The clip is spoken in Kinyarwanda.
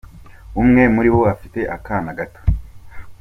Umwe muri bo afite akana gato.